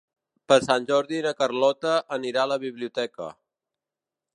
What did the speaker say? Per Sant Jordi na Carlota anirà a la biblioteca.